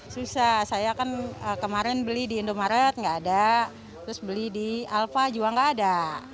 susah saya kan kemarin beli di indomaret nggak ada terus beli di alpha juga nggak ada